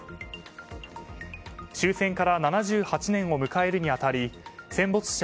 終戦から７８年を迎えるに当たり戦没者